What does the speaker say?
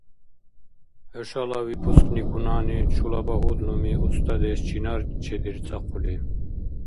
ХӀушала выпускникунани чула багьудлуми-устадеш чинар чедирцӀахъули?